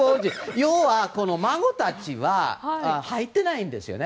要は、孫たちは入っていないんですよね。